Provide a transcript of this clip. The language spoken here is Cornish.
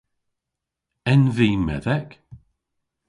En vy medhek?